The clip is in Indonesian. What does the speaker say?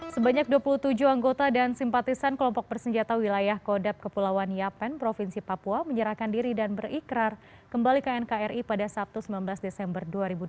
sebanyak dua puluh tujuh anggota dan simpatisan kelompok bersenjata wilayah kodab kepulauan yapen provinsi papua menyerahkan diri dan berikrar kembali ke nkri pada sabtu sembilan belas desember dua ribu dua puluh